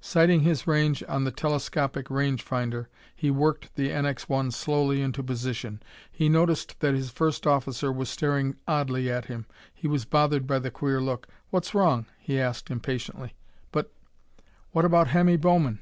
Sighting his range on the telescopic range finder, he worked the NX 1 slowly into position. He noticed that his first officer was staring oddly at him. He was bothered by the queer look. "What's wrong?" he asked impatiently. "But what about Hemmy Bowman?"